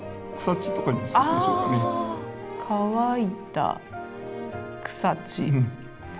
乾いた草地。